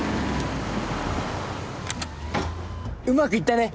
うまくいったね！